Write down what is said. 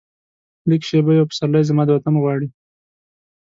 لږه شیبه یو پسرلی، زما د وطن غواړي